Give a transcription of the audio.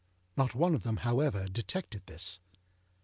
Not one of them, however, detected this.